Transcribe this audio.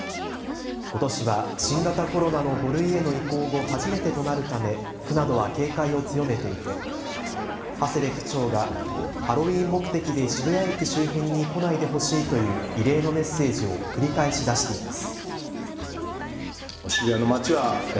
ことしは新型コロナの５類への移行後、初めてとなるため区などは警戒を強めていて長谷部区長がハロウィ−ン目的で渋谷駅周辺に来ないでほしいという異例のメッセージを繰り返し出しています。